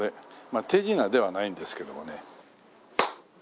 まあ手品ではないんですけどもね。